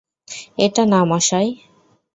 এটা না, মশাই!